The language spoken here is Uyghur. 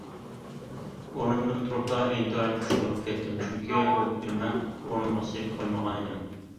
ئورنۇمدىن تۇرۇپلا ئىنتايىن خۇش بولۇپ كەتتىم، چۈنكى ئۇ كۈنى مەن ئورنۇمغا سىيىپ قويمىغانىدىم.